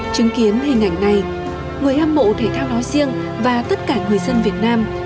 chứng kiến hình ảnh này người hâm mộ thể thao nói riêng và tất cả người dân việt nam